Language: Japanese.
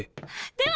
では！